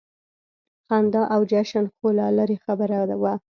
خندا او جشن خو لا لرې خبره وه.